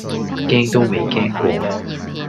驚都未驚過